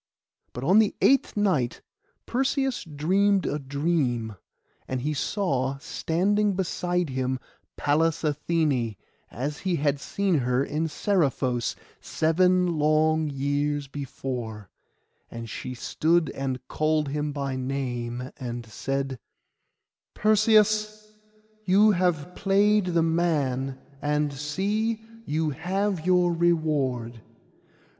But on the eighth night Perseus dreamed a dream; and he saw standing beside him Pallas Athené, as he had seen her in Seriphos, seven long years before; and she stood and called him by name, and said— 'Perseus, you have played the man, and see, you have your reward.